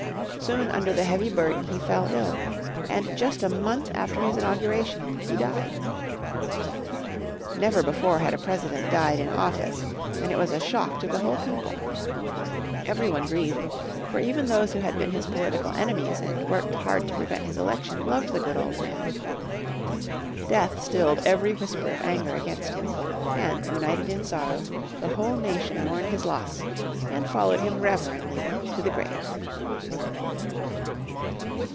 Soon under the heavy burden he fell ill. And just a month after his inauguration he died. Never before had a President died in office, and it was a shock to the whole people. Every one grieved, for even those who had been his political enemies and worked hard to prevent his election loved the good old man. Death stilled every whisper of anger against him, and, united in sorrow, the whole nation mourned his loss and followed him reverently to the grave.